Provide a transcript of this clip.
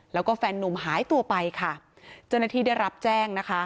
แล้วก็แฟนนุ่มหายตัวไปค่ะเจ้าหน้าที่ได้รับแจ้งนะคะ